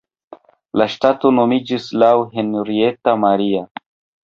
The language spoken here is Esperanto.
La ŝtato nomiĝis laŭ Henrietta Maria.